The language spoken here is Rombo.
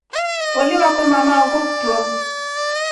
Haliwakoma maako kuto.